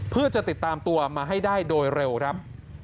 เพื่อจะติดตามตัวมาให้ได้โดยเร็วครับ